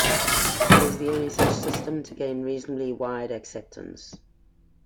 It is the only such system to gain reasonably wide acceptance.